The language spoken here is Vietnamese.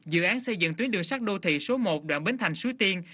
dự án xây dựng tuyến đường sắt đô thị số một đoạn bến thành suối tiên